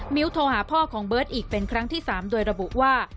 โทรหาพ่อของเบิร์ตอีกเป็นครั้งที่๓โดยระบุว่า